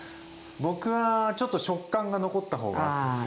僕はちょっと食感が残った方が好きですね。